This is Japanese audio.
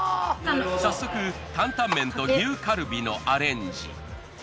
早速担々麺と牛カルビのアレンジ。